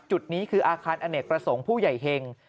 จุดนี้คืออาคารอเนกประสงค์ผู้ใหญ่เฮง